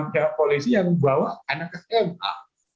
kepolisi yang bawa anaknya kekempa